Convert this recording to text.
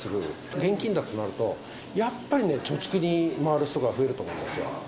現金だとなると、やっぱりね、貯蓄に回る人が増えると思うんですよ。